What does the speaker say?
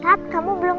nanti kita makan bersama